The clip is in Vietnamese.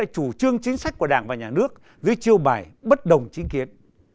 chủ trương chính sách của đảng và nhà nước dưới chiêu bài bất đồng chính kiến